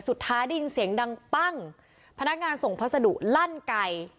ได้ยินเสียงดังปั้งพนักงานส่งพัสดุลั่นไก่